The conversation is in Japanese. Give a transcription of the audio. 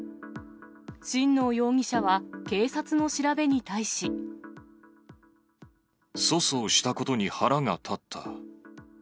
新納容疑者は、警察の調べに対し。粗相したことに腹が立った。